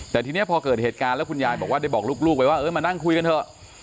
แต่ทีนี้พอเกิดเหตุการณ์แล้วคุณยายบอกว่าได้บอกลูกไปว่าเออมานั่งคุยกันเถอะ